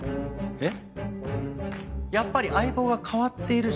えっ？